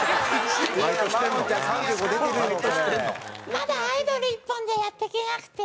まだアイドル一本でやっていけなくて。